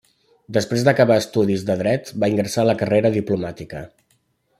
Després d'acabar estudis de Dret, va ingressar en la Carrera Diplomàtica.